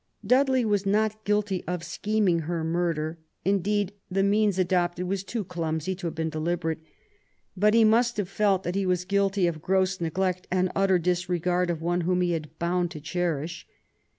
Dudley was not guilty of scheming her murder — indeed, the means adopted was too clumsy to have been deliberate — but he must have felt that he was guilty of gross neglect and utter disregard of one whom he was bound to cherish.